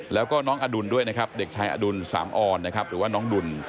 แล้วก็น้องอดุลด้วยนะครับเด็กชายอดุลสามออนนะครับหรือว่าน้องดุล